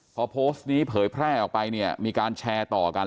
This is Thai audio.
พอโพสต์นี้เผยแพร่ออกไปเนี่ยมีการแชร์ต่อกัน